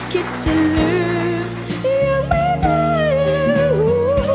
คิดจะลืมยังไม่ได้ลืม